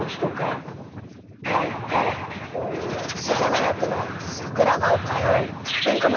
世田谷区の桜丘へ。